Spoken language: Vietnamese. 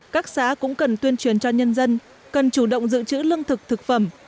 các xã cũng cần tuyên truyền cho nhân dân cần chủ động giữ chữ lương thực thực phẩm